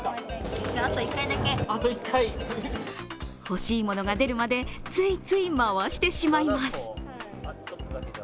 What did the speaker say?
欲しいものが出るまでついつい回してしまいます。